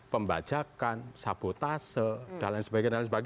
pembajakan sabotase dll dll dll